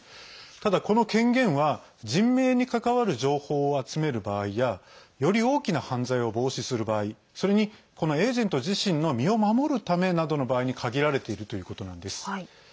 ただ、この権限は人命に関わる情報を集める場合やより大きな犯罪を防止する場合それにエージェント自身の身を守るためなどの場合に限られているということなんです。